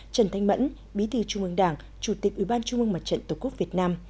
trần thanh mẫn bí thư trung ương đảng chủ tịch ủy ban trung ương mặt trận tổ quốc việt nam